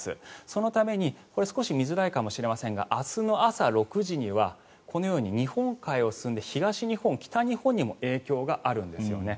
そのために少し見づらいかもしれませんが明日の朝６時にはこのように日本海を進んで東日本、北日本にも影響があるんですよね。